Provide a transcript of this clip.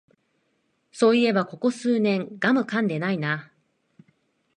そういえばここ数年ガムかんでないな